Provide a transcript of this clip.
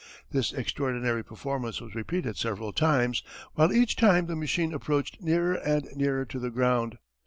This extraordinary performance was repeated several times, while each time the machine approached nearer and nearer to the ground.